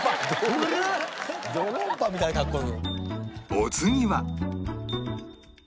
お次は